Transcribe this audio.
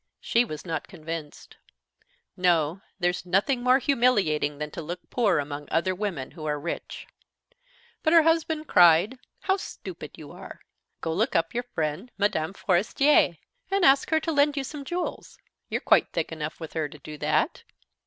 She was not convinced. "No; there's nothing more humiliating than to look poor among other women who are rich." But her husband cried: "How stupid you are! Go look up your friend Mme. Forestier, and ask her to lend you some jewels. You're quite thick enough with her to do that."